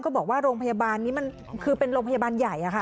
บอกว่าโรงพยาบาลนี้มันคือเป็นโรงพยาบาลใหญ่